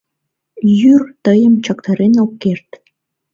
Йÿр тыйым чактарен ок керт.